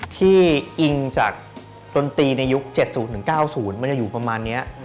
ที่อิงจากดนตรีในยุค๗๐๙๐มันจะอยู่ประมาณนี้